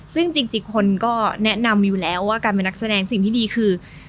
ซึ่งจริงคนก็แนะนำมิวแล้วว่าการเป็นนักแสดงสิ่งที่ดีคือ